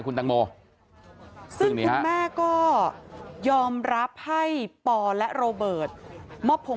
คุณตังโมซึ่งคุณแม่ก็ยอมรับให้ปอและโรเบิร์ตมอบพงศ